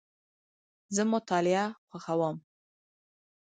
زه مطالعه خوښوم.